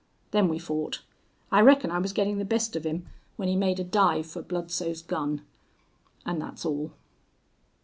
Then we fought. I reckon I was getting the best of him when he made a dive for Bludsoe's gun. And that's all."